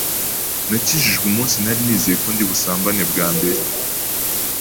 Nakijijwe umunsi nari nizeye ko ndibusambane bwa mbere …..